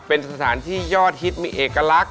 เป็นสถานที่ยอดฮิตมีเอกลักษณ